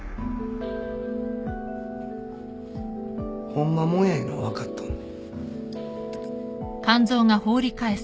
ホンマ物やいうのは分かっとんねん。